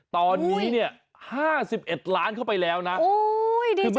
ตอนนี้เนี่ยห้าสิบเอ็ดล้านเข้าไปแล้วนะโอ้ยดีจังเลย